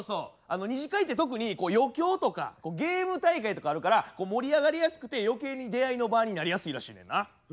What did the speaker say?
二次会って特に余興とかゲーム大会とかあるから盛り上がりやすくて余計に出会いの場になりやすいらしいねんな。